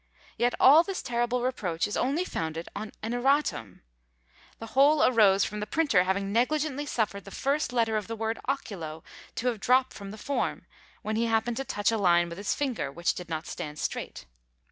Yet all this terrible reproach is only founded on an Erratum! The whole arose from the printer having negligently suffered the first letter of the word Oculo to have dropped from the form, when he happened to touch a line with his finger, which did not stand straight!